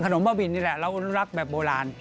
นมบ้าบินนี่แหละเรารักแบบโบราณ